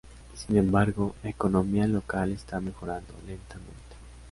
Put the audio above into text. Sin embargo, la economía local está mejorando lentamente.